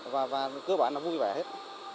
và cơ bản là vui vẻ hết